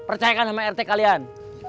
percayakan sama rt kalian